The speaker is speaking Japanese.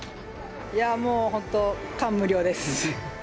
いやもう、本当感無量です。